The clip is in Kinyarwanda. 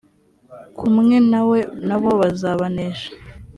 kumwe na we na bo bazabanesha